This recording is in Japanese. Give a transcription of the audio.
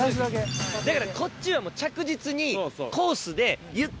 だからこっちはもう着実に。